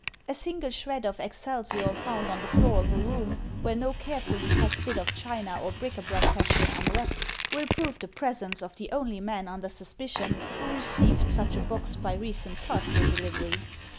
A single shred of excelsior found on the floor of a room, where no carefully packed bit of china or bric a brac has been unwrapped, will prove the presence of the only man under suspicion who received such a box by recent parcel delivery.